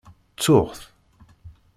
Ttuɣ-t.